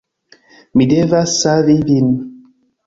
Mi devas savi vin